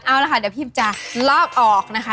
เอาละค่ะเดี๋ยวพิมจะลอกออกนะคะ